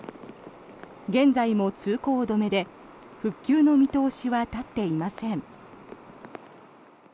現在も通行止めで復旧の見通しは立っていません。